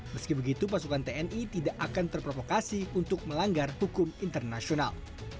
meski begitu pasukan tni tidak akan terprovokasi untuk melanggar hukum internasional